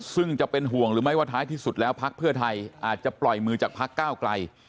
ซึ่งจะเป็นห่วงหรือไม่ว่าท้ายที่สุดแล้วพักเพื่อไทยอาจจะปล่อยมือจากพักก้าวไกล